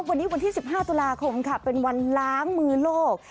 วันนี้วันที่๑๕ตุลาคมค่ะเป็นวันล้างมือโลก